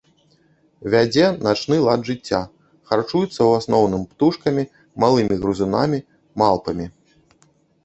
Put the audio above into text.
Вядзе начны лад жыцця, харчуецца ў асноўным птушкамі, малымі грызунамі, малпамі.